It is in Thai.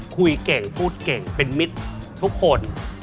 คุยเก่งพูดเก่งเป็นมิตรทุกคน